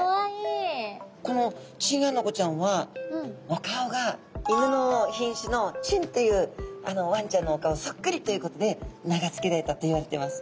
このチンアナゴちゃんはお顔が犬の品種の狆というワンちゃんのお顔そっくりっていうことで名がつけられたといわれてます。